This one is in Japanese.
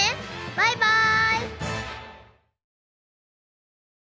バイバイ！